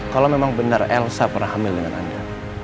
kalau memang benar elsa pernah hamil dengan anda